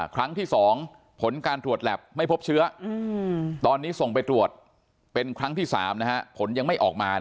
ครั้งที่๒ผลการตรวจแล็บไม่พบเชื้อตอนนี้ส่งไปตรวจเป็นครั้งที่๓นะฮะ